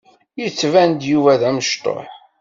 Yettban-d Yuba d amecṭuḥ.